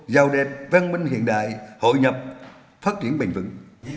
giàu đẹp văn minh hiện đại hội nhập phát triển bình vững